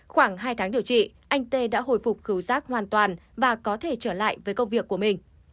khoảng hai tháng điều trị anh tê đã hồi phục rác hoàn toàn và có thể trở lại với công việc của mình